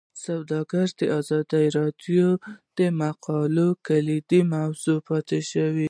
سوداګري د ازادي راډیو د مقالو کلیدي موضوع پاتې شوی.